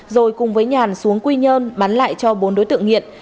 rồi cùng với nhàn xuống quy nhơn bán lại cho bốn đối tượng nghiện